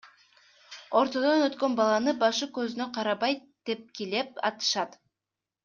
Ортодон өткөн баланы башы көзүнө карабай тепкилеп атышат.